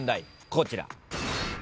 こちら。